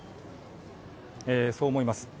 そう思います。